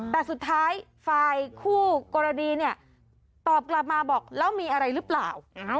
แต่สุดท้ายฝ่ายคู่กรณีเนี่ยตอบกลับมาบอกแล้วมีอะไรหรือเปล่า